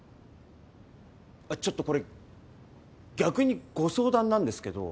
ちょっとこれ逆にご相談なんですけど。